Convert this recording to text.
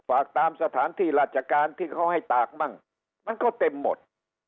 ตามสถานที่ราชการที่เขาให้ตากมั่งมันก็เต็มหมด